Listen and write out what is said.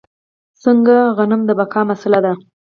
ځکه غنم د بقا مسئله ده.